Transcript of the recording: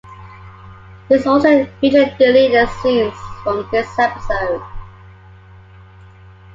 This also featured deleted scenes from this episode.